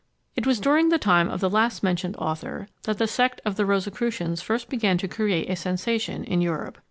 It was during the time of the last mentioned author that the sect of the Rosicrucians first began to create a sensation in Europe.